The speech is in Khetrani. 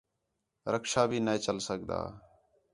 رکشہ بھی نے چَل سڳدا